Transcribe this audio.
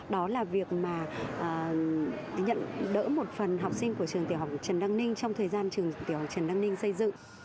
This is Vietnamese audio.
đó là việc mà nhận đỡ một phần học sinh của trường tiểu học trần đăng ninh trong thời gian trường tiểu học trần đăng ninh xây dựng